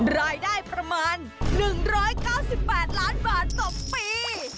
รายได้ประมาณ๑๙๘ล้านบาทต่อปี